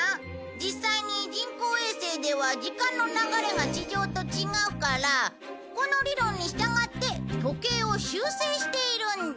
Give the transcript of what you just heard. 実際に人工衛星では時間の流れが地上と違うからこの理論に従って時計を修正しているんだ。